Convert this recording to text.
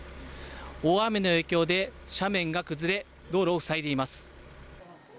大雨の影響で斜面が崩れ道路を塞いでいます。